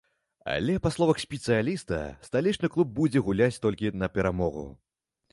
Але, па словах спецыяліста, сталічны клуб будзе гуляць толькі на перамогу.